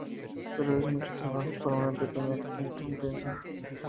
Pero eso es mucho trabajo para una pequeña recompensa".